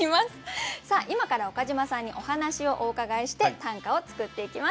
さあ今から岡島さんにお話をお伺いして短歌を作っていきます。